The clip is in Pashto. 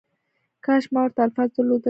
کاش ما ورته الفاظ درلودلای